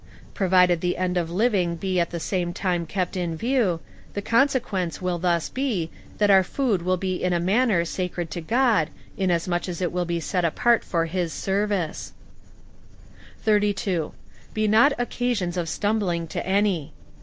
^ Provided the end of living be at the same time kept in view, the consequence will thus be, that our food will be in a manner sacred to God, inasmuch as it will be set apart for his service. 32. Be not occasions of stumbling to any.